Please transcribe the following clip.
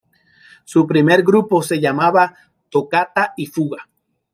Su primer grupo se llamaba Tocata y Fuga.